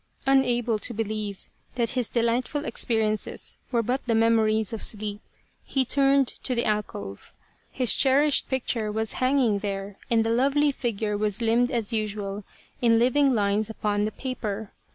Unable to believe that his delightful experiences were but the memories of sleep he turned to the alcove. His cherished picture was hanging there and the lovely figure was limned as usual in living lines upon the paper.